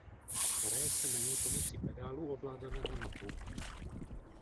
Hraje se na něj pomocí pedálu ovládaného nohou.